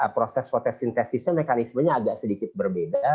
proses fotosintesisnya mekanismenya agak sedikit berbeda